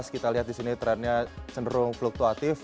kita lihat di sini trendnya cenderung fluktuatif